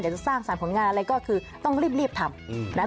จะสร้างสารผลงานอะไรก็คือต้องรีบทำนะ